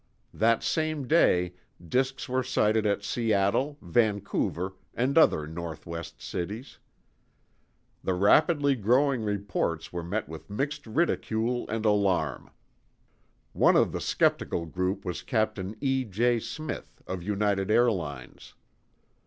That same day, disks were sighted at Seattle, Vancouver, and other northwest cities. The rapidly growing reports were met with mixed ridicule and alarm. One of the skeptical group was Captain E. J. Smith, of United Airlines.